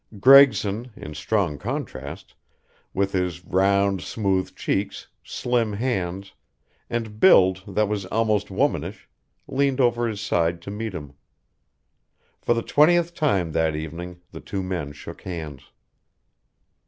Gregson, in strong contrast, with his round, smooth cheeks, slim hands, and build that was almost womanish, leaned over his side to meet him. For the twentieth time that evening the two men shook hands.